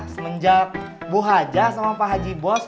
semenjak bu haja sama pak haji bos